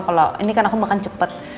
kalau ini kan aku makan cepat